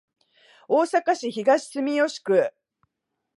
大阪市東住吉区